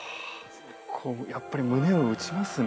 こうやっぱり胸を打ちますね